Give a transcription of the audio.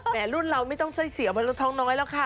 แหม่รุ่นเราไม่ต้องซ่อยเสียวละท้องน้อยแล้วค่ะ